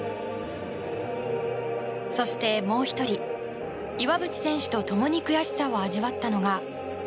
そしてもう１人、岩渕選手と共に悔しさを味わったのが。